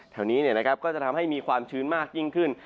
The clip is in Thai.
แถวนี้ก็จะทำให้มีความชื้นมากยิ่งขึ้น